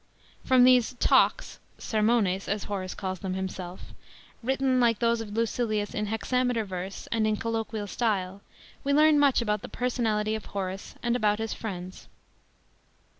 From the e " Talks" (s< rmones, as Horace calls them himself^), written, like those of Luciliu*, in hexameter verse and in coll quial style, we learn much abouc the personality of Horace and about his friends.